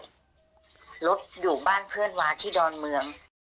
รถอยู่บ้านเพื่อนวาที่ดอนเมือง